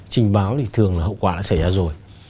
trình báo thì thường là hậu quả đã xảy ra rồi